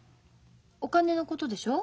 お金のことでしょ。